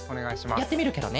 やってみるケロね。